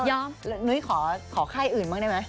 ยอมหนุ้ยขอใครอื่นมากได้มั้ย